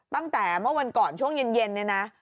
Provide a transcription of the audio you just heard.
ตั้งแต่เมื่อวันก่อนช่วงเย็นเนี่ยนะ